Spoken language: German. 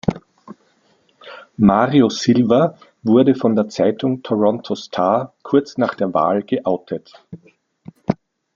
Mario Silva wurde von der Zeitung Toronto Star kurz nach der Wahl geoutet.